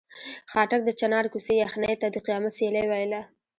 خاټک د چنار کوڅې یخنۍ ته د قیامت سیلۍ ویله.